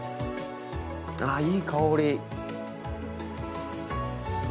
ああいい香り！